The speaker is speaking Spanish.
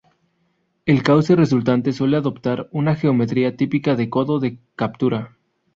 El cauce resultante suele adoptar una geometría típica de codo de captura.